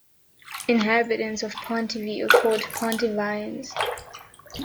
Inhabitants of Pontivy are called "Pontivyens".